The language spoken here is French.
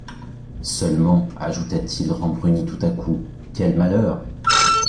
Seulement, ajouta-t-il rembruni tout à coup, quel malheur!